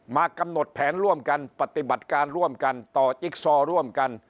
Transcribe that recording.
กำหนดแผนร่วมกันปฏิบัติการร่วมกันต่อจิ๊กซอร่วมกัน